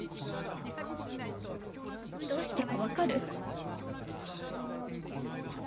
どうしてか分かる？